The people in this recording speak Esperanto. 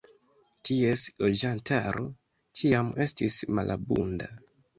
Ties loĝantaro ĉiam estis malabunda.